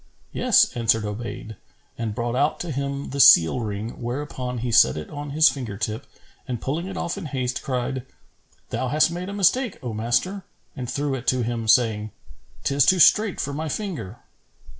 "Yes," answered Obayd and brought out to him the seal ring; whereupon he set it on his finger tip and pulling it off in haste, cried, "Thou hast made a mistake, O master;" and threw it to him, saying, "'Tis too strait for my finger."